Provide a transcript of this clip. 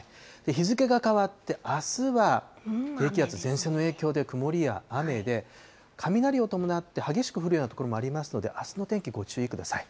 日付が変わって、あすは低気圧、前線の影響で曇りや雨で、雷を伴って、激しく降るような所もありますので、あすの天気、ご注意ください。